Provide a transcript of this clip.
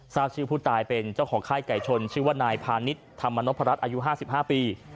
ทราบชื่อผู้ตายเป็นเจ้าของค่ายไก่ชนชื่อว่านายพาณิชย์ธรรมนพรัชอายุ๕๕ปี